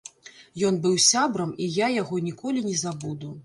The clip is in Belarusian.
Ён быў сябрам, і я яго ніколі не забуду.